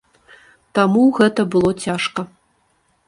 Таму гэта было цяжка.